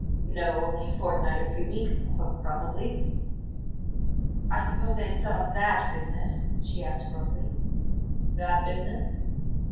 "No; only a fortnight or three weeks, p p probably." "I suppose it's some of THAT business?" she asked abruptly. "'That' business?"